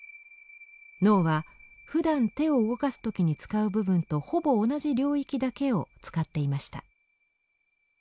脳はふだん手を動かす時に使う部分とほぼ同じ領域だけを使っていました。